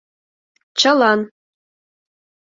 Чылан.